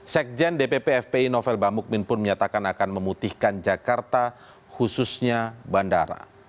sekjen dpp fpi novel bamukmin pun menyatakan akan memutihkan jakarta khususnya bandara